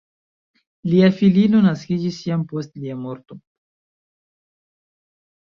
Lia filino naskiĝis jam post lia morto.